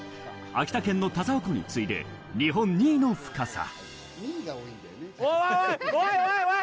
秋田県の田沢湖に次いで日本２位の深さ。